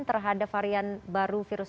terhadap varian baru virus